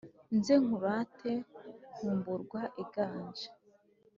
Nze nkurate nkumburwa iganje